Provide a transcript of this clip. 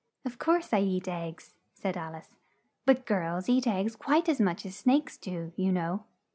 "Of course I eat eggs," said Al ice, "but girls eat eggs quite as much as snakes do, you know."